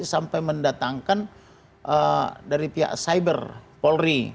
sampai mendatangkan dari pihak cyber polri